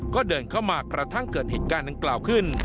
ก็เดินเข้ามากระทั่งเกิดเหตุการณ์ดังกล่าวขึ้น